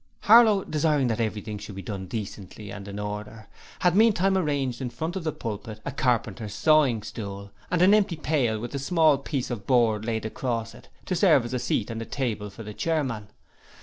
Harlow, desiring that everything should be done decently and in order, had meantime arranged in front of the pulpit a carpenter's sawing stool, and an empty pail with a small piece of board laid across it, to serve as a seat and a table for the chairman.